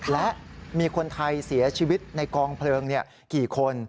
และมีคนไทยเสียชีวิตในกองเพลิงกี่คน